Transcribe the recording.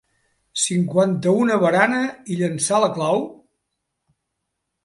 Cinquanta-u una barana i llençar la clau?